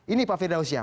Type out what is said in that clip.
ini pak firdaus ya